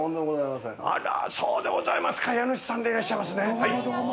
あら、そうでございますか、家主さんでいらっしゃいますね。